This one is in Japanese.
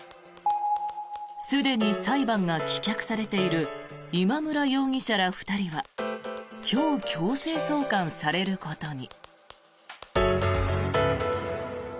すでに裁判が棄却されている今村容疑者ら２人は今日、強制送還されることに。